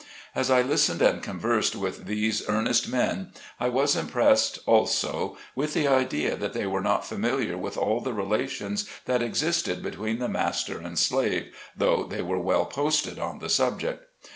As I listened and conversed with these earnest men, I was impressed, also, with the idea that they were not familiar with all the relations that existed between the master and slave, though they were well posted on the subject.